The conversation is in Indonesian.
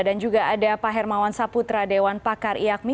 dan juga ada pak hermawan saputra dewan pakar iyakmi